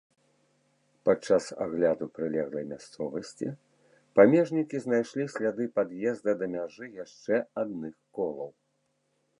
Падчас агляду прылеглай мясцовасці памежнікі знайшлі сляды пад'езда да мяжы яшчэ адных колаў.